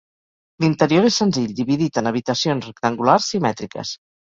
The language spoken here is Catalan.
L'interior és senzill, dividit en habitacions rectangulars simètriques.